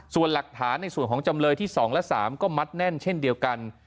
ส่วนหลักฐานในส่วนของจำเลยที่๒และ๓ก็มัดแน่นเช่นเดียวกัน